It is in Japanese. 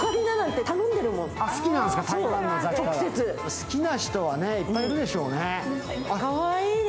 好きな人はいっぱいいるでしょうね。